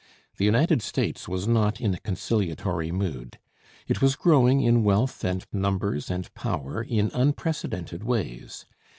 The United States was not in a conciliatory mood. It was growing in wealth and numbers and power, in unprecedented ways.